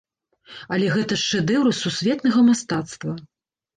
Але гэта ж шэдэўры сусветнага мастацтва!